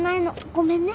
ごめんね。